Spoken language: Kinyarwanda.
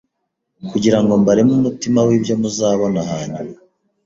kugira ngo mbareme umutima w’ibyo muzabona hanyuma